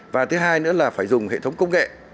và thứ hai nữa là phải dùng hệ thống công nghệ